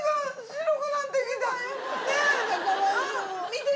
見て！